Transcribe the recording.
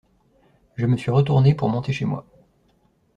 Je me suis retourné pour monter chez moi.